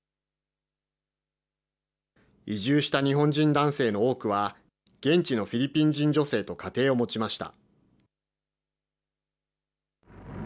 移住した日本人男性の多くは、現地のフィリピン人女性と家庭を持ちました。